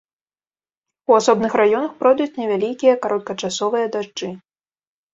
У асобных раёнах пройдуць невялікія кароткачасовыя дажджы.